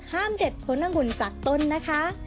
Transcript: ห้ามเด็ดข้นอังหุ่นจากต้นนะคะ